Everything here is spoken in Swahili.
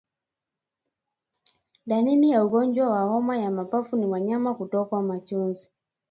Dalili ya ugonjwa wa homa ya mapafu ni wanyama kutokwa machozi